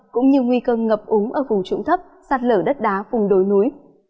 cũng như nguy cơ ngập úng ở vùng trụng thấp sạt lở đất đá vùng đối núi